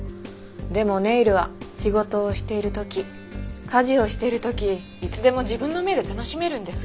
でもネイルは仕事をしている時家事をしている時いつでも自分の目で楽しめるんです。